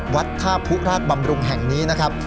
วัดท่าผู้ราชบำรุงแห่งนี้นะครับ